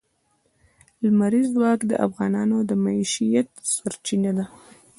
لمریز ځواک د افغانانو د معیشت سرچینه ده.